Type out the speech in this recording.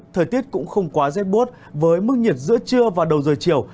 thời tiết cũng không quá rét bút với mức nhiệt giữa trưa và đầu giờ chiều